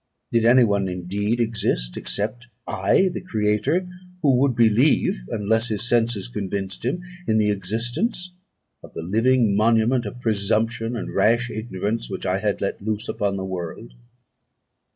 Did any one indeed exist, except I, the creator, who would believe, unless his senses convinced him, in the existence of the living monument of presumption and rash ignorance which I had let loose upon the world?